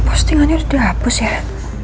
postingan udah hapus ya